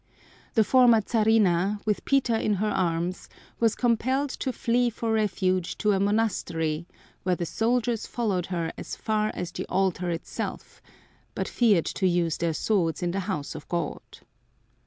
The former Czarina with Peter in her arms was compelled to flee for refuge to a monastery where the soldiers followed her as far as the altar itself, but feared to use their swords in the house of God.